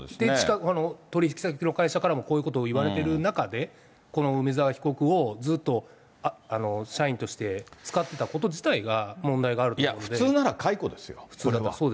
取り引き先の会社からもこういうことを言われてる中で、この梅沢被告をずっと社員として使ってたこと自体が問題があると普通なら解雇ですよ、これは。